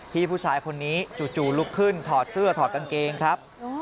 ผู้ชายคนนี้จู่ลุกขึ้นถอดเสื้อถอดกางเกงครับ